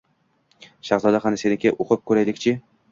Shahzoda, qani, senikini o`qib ko`raylik-chi